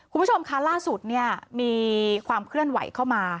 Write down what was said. คุณผู้ชมคะล่าสุดเนี่ยมีความเคลื่อนไหวเข้ามา